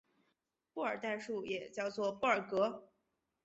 布尔代数也叫做布尔格。